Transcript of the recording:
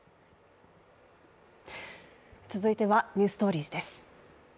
続いては「ｎｅｗｓｔｏｒｉｅｓ」です。